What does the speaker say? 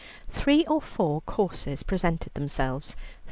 Three or four courses presented themselves.